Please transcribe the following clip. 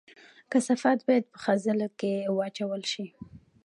کثافات باید په خځلۍ کې واچول شي